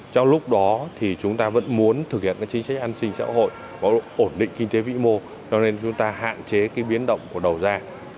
trong lúc đó thì chúng ta vẫn muốn thực hiện chính sách an sinh xã hội và ổn định kinh tế vĩ mô cho nên chúng ta hạn chế cái biến động của đầu ra